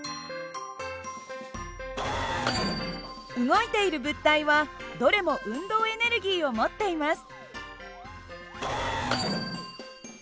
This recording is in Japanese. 動いている物体はどれも運動エネルギーを持っています。